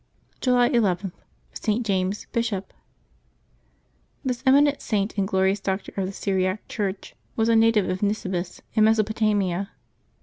July II.— ST. JAMES, Bishop. CHis eminent Saint and glorious Doctor of the Syriac Church was a native of Nisibis, in Mesopotamia.